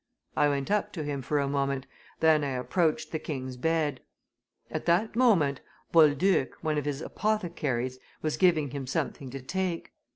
I went up to him for a moment, then I approached the king's bed. At that moment, Boulduc, one of his apothecaries, was giving him something to take.